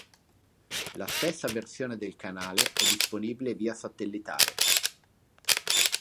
La stessa versione del canale è disponibile via satellitare.